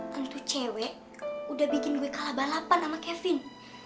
tentu cewek udah bikin gue kalah balapan sama kevin